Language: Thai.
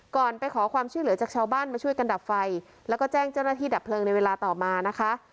ไปขอความช่วยเหลือจากชาวบ้านมาช่วยกันดับไฟแล้วก็แจ้งเจ้าหน้าที่ดับเพลิงในเวลาต่อมานะคะ